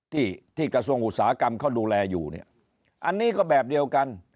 ที่ที่กระทรวงอุตสาหกรรมเขาดูแลอยู่เนี่ยอันนี้ก็แบบเดียวกัน